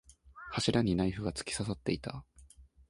柱にナイフが突き刺さっていた。